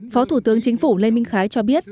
phó thủ tướng chính phủ lê minh khái cho biết